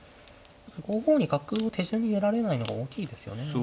５五に角を手順に出られないのが大きいですよね。